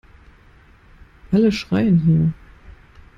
Alle schreien hier!